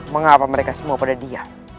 mengapa mereka semua pada dia